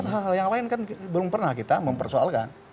hal hal yang lain kan belum pernah kita mempersoalkan